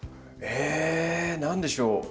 え何でしょう？